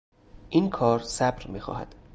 این کار صبر میخواهد.